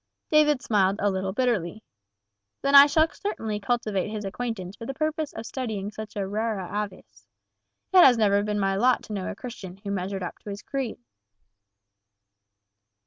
David smiled a little bitterly. "Then I shall certainly cultivate his acquaintance for the purpose of studying such a rara avis. It has never been my lot to know a Christian who measured up to his creed."